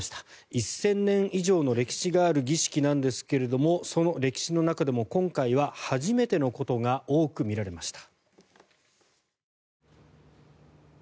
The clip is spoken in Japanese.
１０００年以上の歴史がある儀式なんですけどもその歴史の中でも今回は初めてのことが多く見られました。